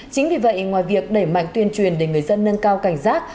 chính vì vậy ngoài việc đẩy mạnh tuyên truyền để người dân nâng cao cảnh giác